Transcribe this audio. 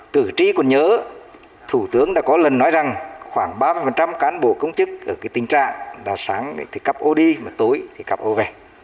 từ trí còn nhớ thủ tướng đã có lần nói rằng khoảng ba mươi cán bộ công chức ở tình trạng sáng thì cặp ô đi tối thì cặp ô về